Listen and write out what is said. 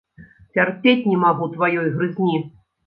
Цярпець не магу тваёй грызні!